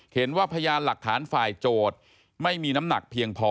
พยานหลักฐานฝ่ายโจทย์ไม่มีน้ำหนักเพียงพอ